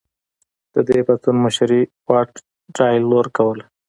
د دې پاڅون مشري واټ تایلور کوله.